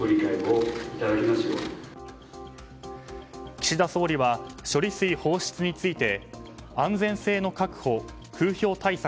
岸田総理は処理水放出について安全性の確保、風評対策